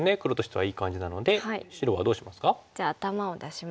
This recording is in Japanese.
はい。